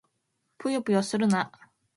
ぷよぷよするな！